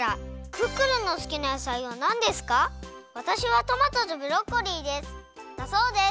「クックルンの好きな野菜はなんですか？わたしはトマトとブロッコリーです」だそうです。